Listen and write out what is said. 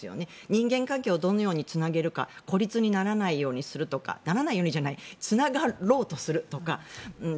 人間関係をどのようにつなげるか孤立にならないようするとかならないようにじゃないつながろうとするとか。